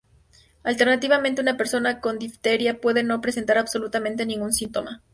Alternativamente, una persona con difteria puede no presentar absolutamente ningún síntoma.